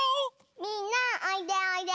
みんなおいでおいで！